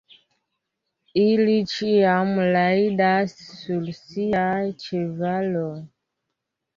Ili ĉiam rajdas sur siaj ĉevaloj!